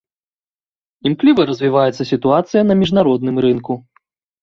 Імкліва развіваецца сітуацыя на міжнародным рынку.